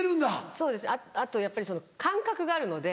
そうですあとやっぱり感覚があるので。